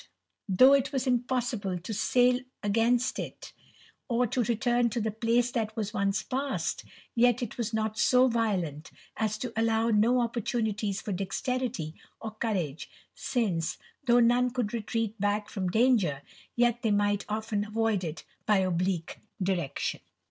though it was impossible to sail against it, or return to the place that was once passed, yet it was n so violent as to allow no opportunities for dexterity courage, since, though none could retreat back from danger, yet they might often avoid it by oblique direction.